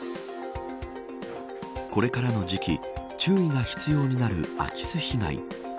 これからの時期注意が必要になる空き巣被害。